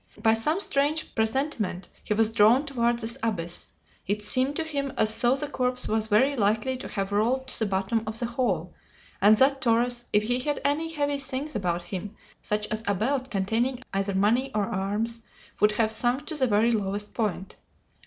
By some strange presentiment he was drawn toward this abyss; it seemed to him as though the corpse was very likely to have rolled to the bottom of the hole, and that Torres, if he had any heavy things about him, such as a belt containing either money or arms, would have sunk to the very lowest point.